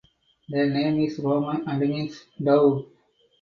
The name is Roman and means "dove".